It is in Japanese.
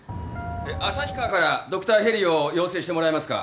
旭川からドクターヘリを要請してもらえますか？